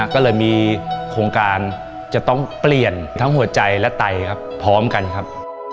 ก็เลยมีโครงการจะต้องเปลี่ยนทั้งหัวใจและไตครับพร้อมกันครับ